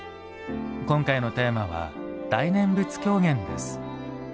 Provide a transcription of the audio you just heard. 今回のテーマは「大念仏狂言」です。